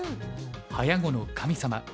「早碁の神様」